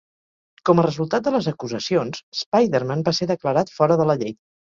Com a resultat de les acusacions, Spiderman va ser declarat fora de la llei.